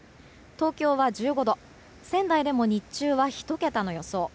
東京は１５度仙台でも日中は１桁の予想。